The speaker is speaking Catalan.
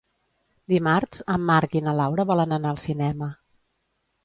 Dimarts en Marc i na Laura volen anar al cinema.